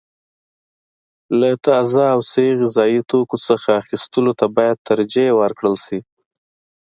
له تازه او صحي غذايي توکو څخه اخیستلو ته باید ترجیح ورکړل شي.